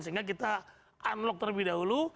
sehingga kita unlock terlebih dahulu